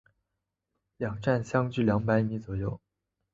两站相距二百米左右。